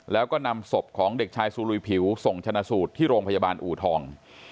แล้วก็นำศพของเด็กชายซูลุยผิวส่งชนะสูตรที่โรงพยาบาลอูทอง